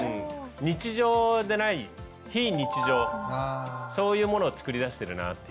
日常でない非日常そういうものを作り出してるなっていう気がしますね。